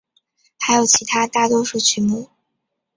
还有其他大多数曲目。